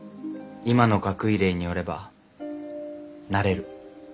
今の学位令によればなれる。